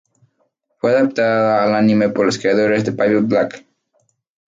Fue adaptada al anime por los creadores de Bible Black.